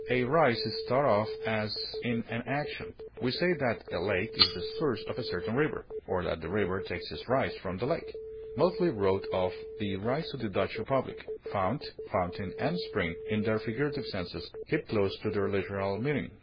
A rise is thought of as in an action; we say that a lake is the source of a certain river, or that the river takes its rise from the lake. Motley wrote of "The Rise of the Dutch Republic." Fount, fountain, and spring, in their figurative senses, keep close to their literal meaning.